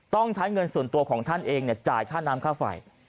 ต้องใช้เงินส่วนตัวของท่านเองจ่ายค่าน้ำค่าไฟ